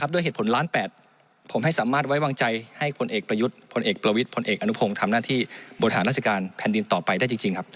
ด้วยเหตุผลล้าน๘ผมให้สามารถไว้วางใจให้พลเอกประยุทธ์พลเอกประวิทย์พลเอกอนุพงศ์ทำหน้าที่บริหารราชการแผ่นดินต่อไปได้จริงครับ